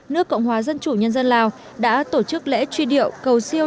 nước cộng hòa dân chủ nhân dân lào đã tổ chức lễ truy điệu cầu siêu